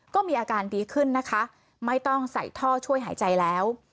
ก็มีอาการดีขึ้นนะคะไม่ต้องใส่ท่อช่วยหายใจแล้ว